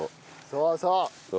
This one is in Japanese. そうそう。